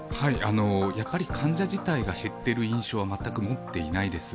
やっぱり患者自体が減っている印象は持っていないです。